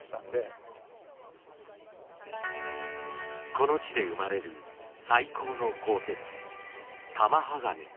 この地で生まれる最高の鋼鉄玉鋼。